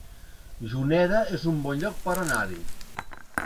Juneda es un bon lloc per anar-hi